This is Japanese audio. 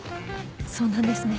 そうなんですね。